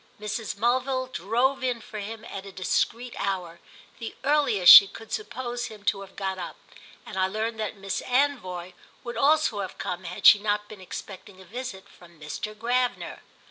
Mrs. Mulville drove in for him at a discreet hour—the earliest she could suppose him to have got up; and I learned that Miss Anvoy would also have come had she not been expecting a visit from Mr. Gravener.